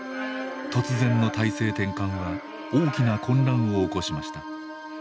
突然の体制転換は大きな混乱を起こしました。